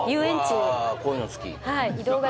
こういうの好き